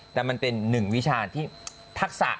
แต่มันเป็นหนึ่งวิชาที่ทักษะ